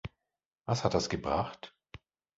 Was hat das gebracht?